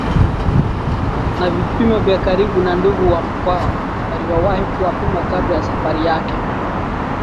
na vipimo vya karibu na ndugu wa Mkwawa aliowahi kuwapima kabla ya safari yake